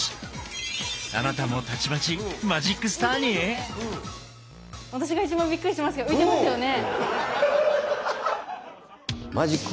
あなたもたちまちマジックスターに⁉私が一番びっくりしてますけど浮いてますよね？